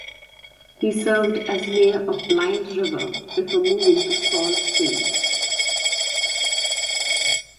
He served as mayor of Blind River before moving to Sault Ste.